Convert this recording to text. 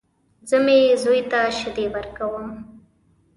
زه مې زوی ته شيدې ورکوم.